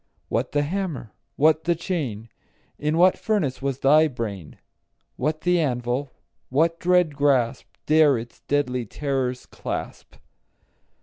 What the hammer? what the chain? In what furnace was thy brain? What the anvil? What dread grasp 15 Dare its deadly terrors clasp?